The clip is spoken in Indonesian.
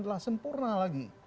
adalah sempurna lagi